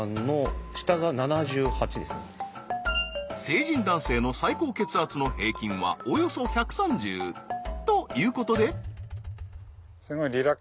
成人男性の最高血圧の平均はおよそ１３０。ということで。